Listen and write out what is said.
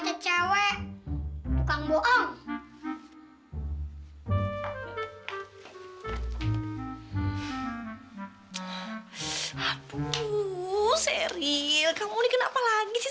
itu mesin dari hana